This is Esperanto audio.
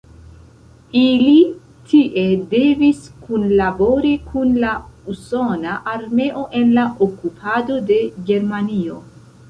Ili tie devis kunlabori kun la usona armeo en la okupado de Germanio.